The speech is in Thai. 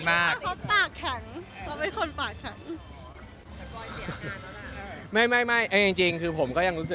ชูใจไปกำลังที่พักไปใช้